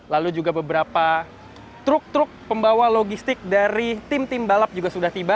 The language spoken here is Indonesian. lalu juga beberapa truk truk pembawa logistik dari tim tim balap juga sudah tiba